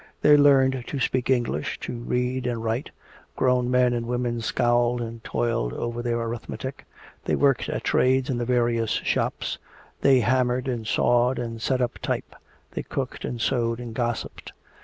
They learned to speak English, to read and write; grown men and women scowled and toiled over their arithmetic. They worked at trades in the various shops; they hammered and sawed and set up type; they cooked and sewed and gossiped.